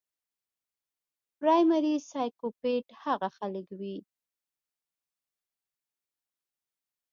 پرايمري سايکوپېت هغه خلک وي